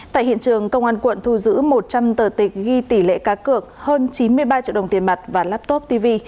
tại hiện trường công an quận thu giữ một trăm linh tờ tịch ghi tỷ lệ cá cược hơn chín mươi ba triệu đồng tiền mặt và laptop tv